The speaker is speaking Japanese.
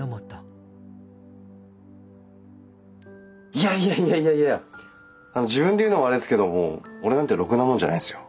いやいやいやいやいや自分で言うのもあれなんですけどもう俺なんてロクなもんじゃないですよ。